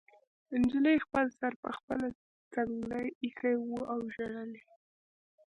نجلۍ خپل سر په خپله څنګله ایښی و او ژړل یې